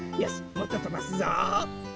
もっととばすぞ。